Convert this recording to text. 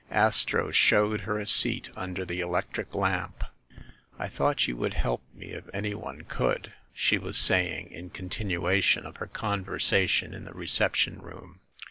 Astro showed her a seat under the electric lamp. "I thought you would help me if any one could," she was saying, in continuation of her conversation in the reception room.